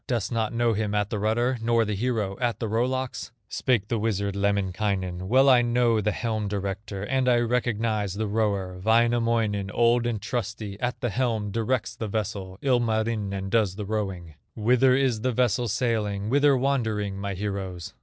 Dost not know him at the rudder, Nor the hero at the row locks?" Spake the wizard, Lemminkainen: "Well I know the helm director, And I recognize the rower; Wainamoinen, old and trusty, At the helm directs the vessel; Ilmarinen does the rowing. Whither is the vessel sailing, Whither wandering, my heroes?"